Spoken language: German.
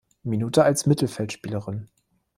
Minute als Mittelfeldspielerin.